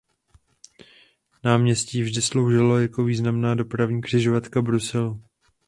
Náměstí vždy sloužilo jako významná dopravní křižovatka Bruselu.